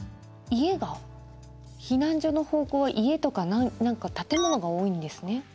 家が避難所の方向は家とか何か建物が多いんですね。